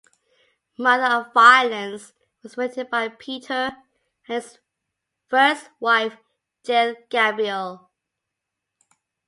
"Mother of Violence" was written by Peter and his first wife Jill Gabriel.